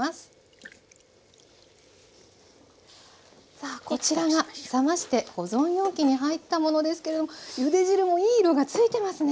さあこちらが冷まして保存容器に入ったものですけれどもゆで汁もいい色が付いてますね！